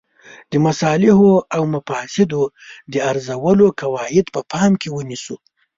د مصالحو او مفاسدو د ارزولو قواعد په پام کې ونیسو.